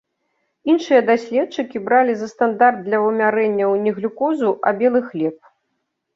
Іншыя даследчыкі бралі за стандарт для вымярэнняў не глюкозу, а белы хлеб.